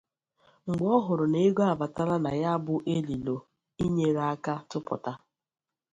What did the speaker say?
Mgbe ọ hụrụ n’ego abatala na ya bụ elulo ị nyere aka tụpụta